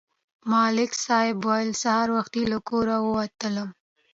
ملک صاحب ویل: سهار وختي له کوره ووتلم.